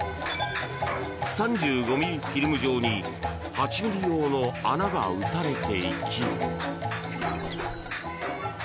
３５ｍｍフィルム上に８ｍｍ用の穴が打たれていき。